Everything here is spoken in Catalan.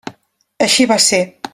Així va ser.